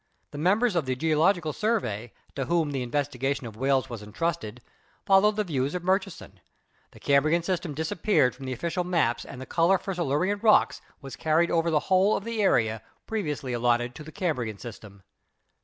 The members of the Geological Survey, to whom the investigation of Wales was entrusted, followed the views of Murchison, the Cambrian system disappeared from the official maps and the color for Silurian rocks was carried over the whole of the area previously allotted to the Cambrian system.